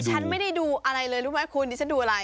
ฉันไม่ได้ดูอะไรเลยรู้ไหมคุณดิฉันดูอะไร